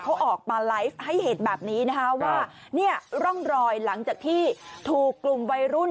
เขาออกมาไลฟ์ให้เห็นแบบนี้นะคะว่าเนี่ยร่องรอยหลังจากที่ถูกกลุ่มวัยรุ่น